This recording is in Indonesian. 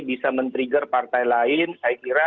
bisa men trigger partai lain saya kira